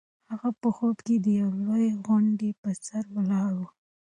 هغه په خوب کې د یوې لویې غونډۍ په سر ولاړه وه.